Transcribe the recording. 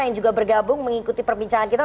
yang juga bergabung mengikuti perbincangan kita